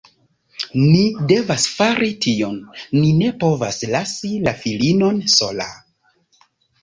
Ni devas fari tion. Ni ne povas lasi la filinon sola.